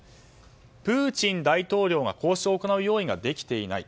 プーチン大統領が交渉を行う用意ができていない。